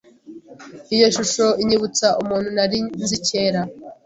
Iyo shusho inyibutsa umuntu nari nzi kera .